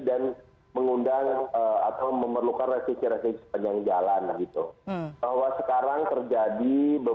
dan mengundang atau memerlukan perlindungan data pribadi